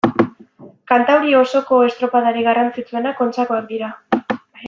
Kantauri osoko estropadarik garrantzitsuenak Kontxakoak dira.